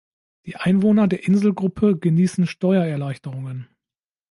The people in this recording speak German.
Die Einwohner der Inselgruppe genießen Steuererleichterungen.